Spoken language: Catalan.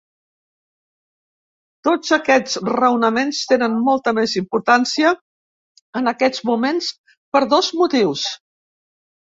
Tots aquests raonaments tenen molta més importància en aquests moments per dos motius.